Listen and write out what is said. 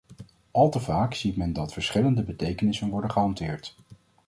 Al te vaak ziet men dat verschillende betekenissen worden gehanteerd.